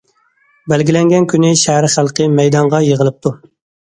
بەلگىلەنگەن كۈنى شەھەر خەلقى مەيدانغا يىغىلىپتۇ.